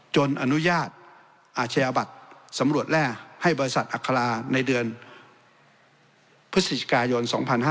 อนุญาตอาชญาบัตรสำรวจแร่ให้บริษัทอัคราในเดือนพฤศจิกายน๒๕๕๙